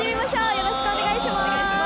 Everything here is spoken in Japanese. よろしくお願いします！